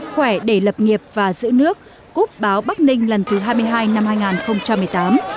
khỏe để lập nghiệp và giữ nước cúp báo bắc ninh lần thứ hai mươi hai năm hai nghìn một mươi tám